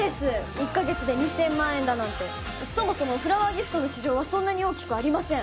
１ヶ月で２０００万円だなんてそもそもフラワーギフトの市場はそんなに大きくありません